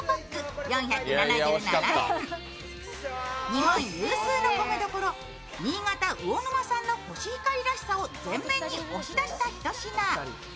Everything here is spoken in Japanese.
日本有数の米どころ、新潟魚沼産のコシヒカリらしさを全面に押し出したひと品。